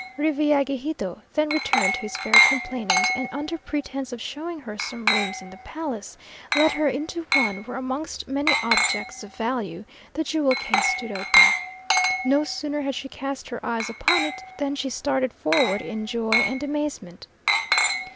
Revillagigedo then returned to his fair complainant, and under pretence of showing her some rooms in the palace, led her into one, where amongst many objects of value, the jewel case stood open. No sooner had she cast her eyes upon it than she started forward in joy and amazement.